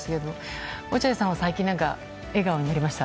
落合さんは最近、笑顔になりました？